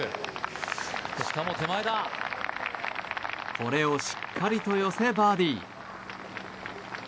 これをしっかりと寄せバーディー。